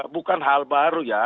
bukan hal baru ya